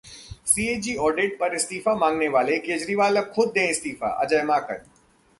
CAG audit पर इस्तीफा मांगने वाले केजरीवाल अब खुद दें इस्तीफा: अजय माकन